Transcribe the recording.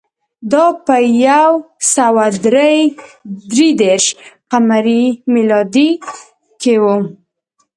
دا په یو سوه درې دېرش ق م کې و